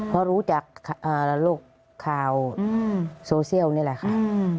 เพราะรู้จากโลกข่าวโซเชียลนี่แหละค่ะ